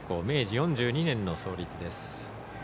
明治４２年の創立です。